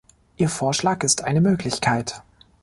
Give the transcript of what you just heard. Ihr Vorschlag ist eine Möglichkeit.